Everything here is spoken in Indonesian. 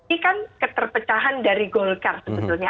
ini kan keterpecahan dari golkar sebetulnya